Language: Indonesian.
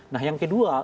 nah yang kedua